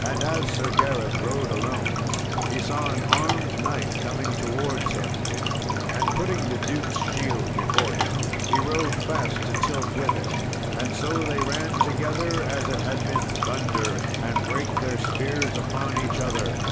And as Sir Gareth rode alone he saw an armed knight coming towards him. And putting the duke's shield before him he rode fast to tilt with him; and so they ran together as it had been thunder, and brake their spears upon each other.